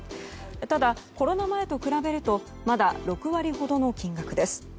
ただ、コロナ前と比べるとまだ６割ほどの金額です。